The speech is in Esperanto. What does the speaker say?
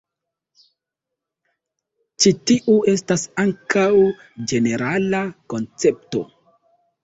Ĉi tiu estas ankaŭ ĝenerala koncepto.